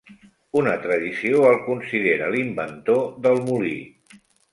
Una tradició el considera l'inventor del molí.